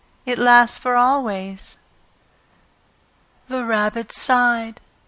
It lasts for always." The Rabbit sighed.